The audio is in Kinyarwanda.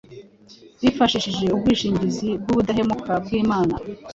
bifashishije ubwishingizi bw’ubudahemuka bw’Imana